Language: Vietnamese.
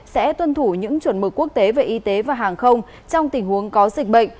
sẽ tuân thủ những chuẩn mực quốc tế về y tế và hàng không trong tình huống có dịch bệnh